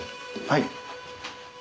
はい。